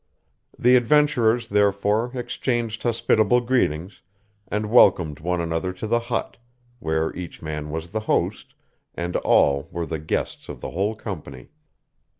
The adventurers, therefore, exchanged hospitable greetings, and welcomed one another to the hut, where each man was the host, and all were the guests of the whole company.